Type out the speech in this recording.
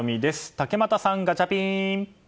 竹俣さん、ガチャピン！